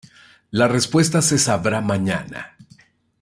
La respuesta se sabrá mañana.